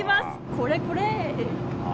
これこれ。